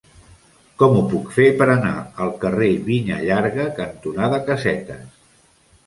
Com ho puc fer per anar al carrer Vinya Llarga cantonada Casetes?